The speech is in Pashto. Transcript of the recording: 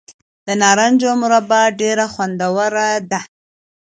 د نارنج مربا ډیره خوندوره ده.